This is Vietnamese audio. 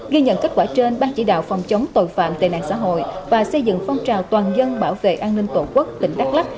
ghi nhận kết quả trên ban chỉ đạo phòng chống tội phạm tệ nạn xã hội và xây dựng phong trào toàn dân bảo vệ an ninh tổ quốc tỉnh đắk lắc